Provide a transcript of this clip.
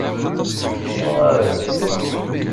D timɣarin.